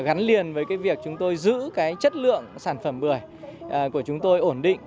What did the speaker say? gắn liền với cái việc chúng tôi giữ cái chất lượng sản phẩm bưởi của chúng tôi ổn định